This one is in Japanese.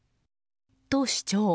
と主張。